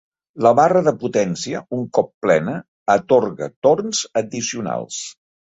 La barra de potència, un cop plena, atorga torns addicionals.